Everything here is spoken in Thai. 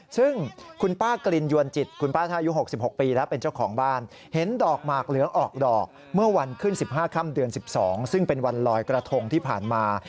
ซึ่งคุณป้ากลิ่นยวนจิตคุณป้าท่ายุ๖๖ปีแล้วเป็นเจ้าของบ้านเห็นดอกหมากเหลืองออกดอกเมื่อวันขึ้น๑๕ค่ำเดือน๑๒ซึ่งเป็นวันลอยกระทงที่ผ่านมา